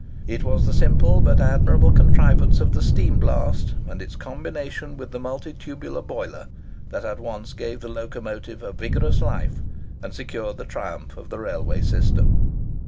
It was the simple but admirable contrivance of the steam blast, and its combination with the multitubular boiler, that at once gave the locomotive a vigorous life, and secured the triumph of the railway system.